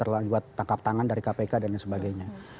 terlalu buat tangkap tangan dari kpk dan sebagainya